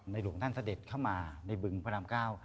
หลวงท่านเสด็จเข้ามาในบึงพระรามเก้า